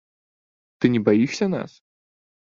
Ты не баішся нас?